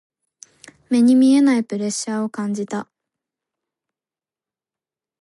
目に見えないプレッシャーを感じた。